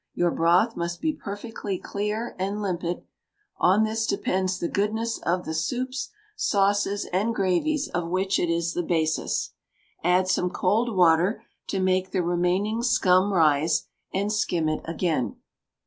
Your broth must be perfectly clear and limpid; on this depends the goodness of the soups, sauces, and gravies of which it is the basis. Add some cold water to make the remaining scum rise, and skim it again.